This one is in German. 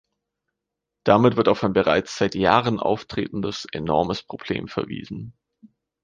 Damit wird auf ein bereits seit Jahren auftretendes enormes Problem verwiesen.